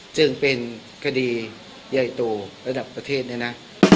จึงเป็นคดีใหญ่โตระดับประเทศเนี่ยนะ